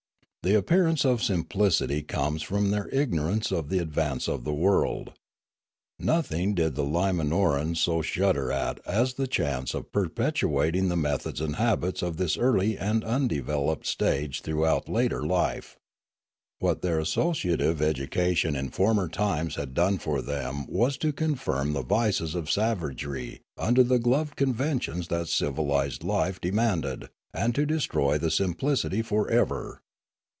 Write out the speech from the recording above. The appearance of simplicity comes from their ignorance of the advance of the world. Nothing did the Limanorans so shudder at as the chance of perpetuating the methods and habits of this early and undeveloped stage throughout later j 46 Limanora life. What their associative education in former times had done for them was to confirm the vices of savagery under the gloved conventions that civilised life de manded, and to destroy the simplicity for ever.